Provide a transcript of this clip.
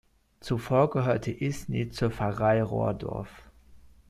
Zuvor gehörte Isny zur Pfarrei Rohrdorf.